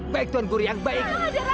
baik tuan guru yang baik